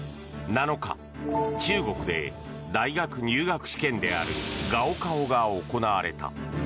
７日、中国で大学入学試験であるガオカオが行われた。